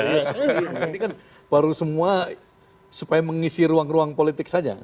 ini kan baru semua supaya mengisi ruang ruang politik saja